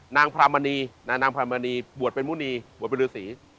นางพรามณีนางพรามณีบวชเป็นมุณีบวชเป็นฤษี